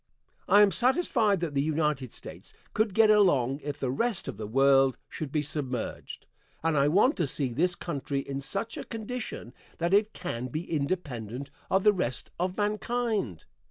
I am satisfied that the United States could get along if the rest of the world should be submerged, and I want to see this country in such a condition that it can be independent of the rest of mankind.